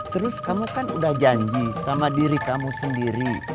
terus kamu kan udah janji sama diri kamu sendiri